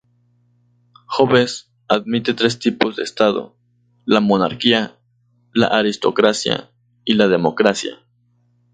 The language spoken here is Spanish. Hobbes admite tres tipos de Estado: la monarquía, la aristocracia y la democracia.